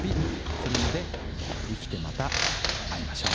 それまで生きてまた会いましょう。